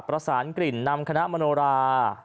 ประสานกลิ่นนำคณะมโนรา